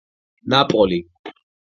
ნაპოლი